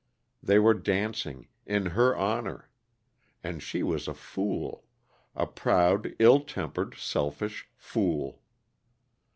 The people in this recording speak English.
They were dancing in her honor. And she was a fool; a proud, ill tempered, selfish fool..